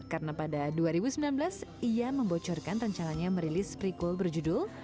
karena pada dua ribu sembilan belas ia membocorkan rancalanya merilis prequel berjudul